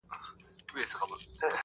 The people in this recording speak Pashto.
نورستان کې وشوه